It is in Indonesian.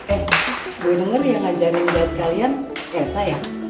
eh gue denger yang ajarin buat kalian elsa ya